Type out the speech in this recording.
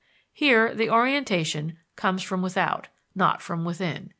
Here, the orientation comes from without, not from within.